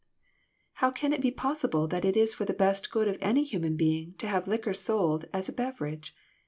" How can it be possible that it is for the best good of any human being to have liquor sold as a beverage